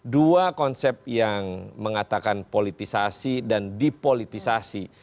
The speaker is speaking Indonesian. dua konsep yang mengatakan politisasi dan dipolitisasi